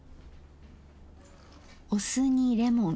お酢にレモン。